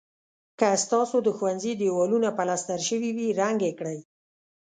که ستاسو د ښوونځي دېوالونه پلستر شوي وي رنګ یې کړئ.